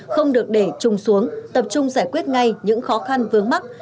không được để trùng xuống tập trung giải quyết ngay những khó khăn vướng mắt